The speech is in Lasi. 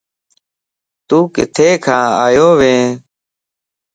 تون ڪٿي کان آيو وئين ؟